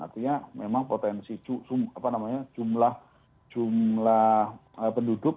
artinya memang potensi jumlah penduduk